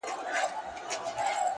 كبرجن وو ځان يې غوښـتى پــه دنـيـا كي.